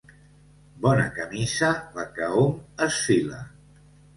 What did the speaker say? Bona camisa, la que hom es fila.